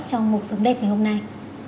trong một sống đẹp ngày hôm nay